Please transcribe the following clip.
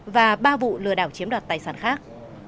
và ba vụ lừa đảo chiếm đoạt tài sản khác